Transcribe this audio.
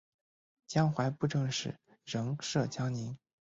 江淮布政使仍设江宁。